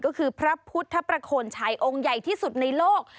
ก็คือพระพุทธประโคนชัยองค์ใหญ่ที่สุดในโลก